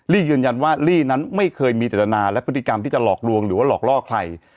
ี่ยืนยันว่าลี่นั้นไม่เคยมีจตนาและพฤติกรรมที่จะหลอกลวงหรือว่าหลอกล่อใคร